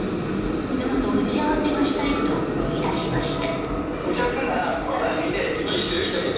妻と打ち合わせがしたいと言い出しました。